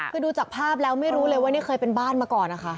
คือดูจากภาพแล้วไม่รู้เลยว่านี่เคยเป็นบ้านมาก่อนนะคะ